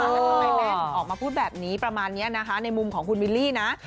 แล้วทำไมแม่ถึงออกมาพูดแบบนี้ประมาณนี้นะคะในมุมของคุณวิลลี่นะ